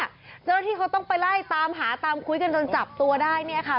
เจ้าหน้าที่เขาต้องไปไล่ตามหาตามคุยกันจนจับตัวได้เนี่ยค่ะ